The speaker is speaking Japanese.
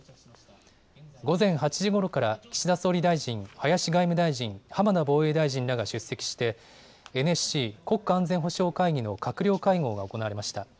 午前８時ごろから岸田総理大臣、林外務大臣、浜田防衛大臣らが出席して、ＮＳＣ・国家安全保障会議の閣僚会合が行われました。